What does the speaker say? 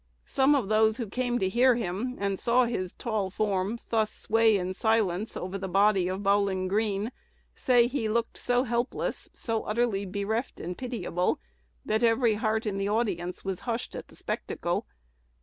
Some of those who came to hear him, and saw his tall form thus sway in silence over the body of Bowlin Greene, say he looked so helpless, so utterly bereft and pitiable, that every heart in the audience was hushed at the spectacle.